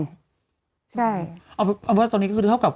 ใช่เราต้องรอเถอะครับ